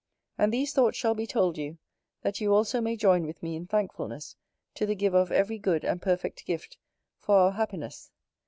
And these thoughts shall be told you, that you also may join with me in thankfulness to the Giver of every good and perfect gift, for our happiness.